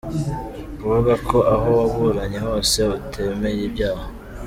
Kuvuga ko aho waburanye hose utemeye ibyaha?